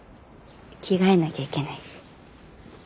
着替えなきゃいけないし。